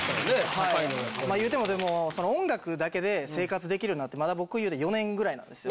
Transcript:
はいまあいうても音楽だけで生活できるようになってまだ僕４年ぐらいなんですよ。